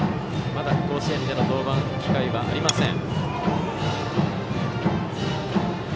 まだ甲子園での登板機会はありません。